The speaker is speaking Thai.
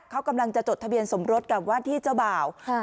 เขากำลังจะจดทะเบียนสมรสกับว่าที่เจ้าบ่าว